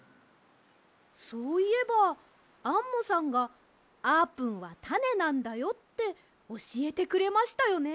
そういえばアンモさんが「あーぷんはタネなんだよ」っておしえてくれましたよね。